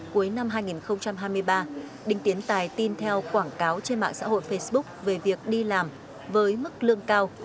cuối năm hai nghìn hai mươi ba đinh tiến tài tin theo quảng cáo trên mạng xã hội facebook về việc đi làm với mức lương cao